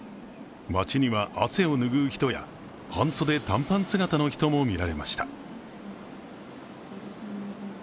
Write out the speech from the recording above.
街には汗を拭う人や、半袖・短パン姿の人も見られました。